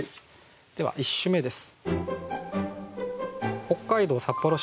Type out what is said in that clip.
では１首目です。